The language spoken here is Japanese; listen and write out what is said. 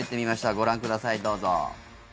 ご覧ください、どうぞ。